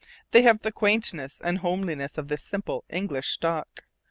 They have the quaintness and homeliness of the simple English stock.